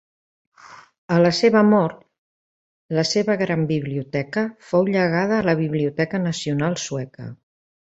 A la seva mort, la seva gran biblioteca fou llegada a la Biblioteca Nacional sueca.